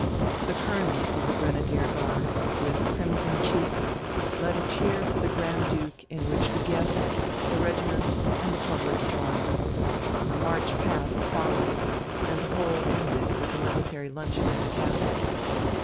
The Colonel of the Grenadier Guards, with crimson cheeks, led a cheer for the Grand Duke in which the guests, the regiment, and the public joined. A march past followed, and the whole ended with a military luncheon in the castle.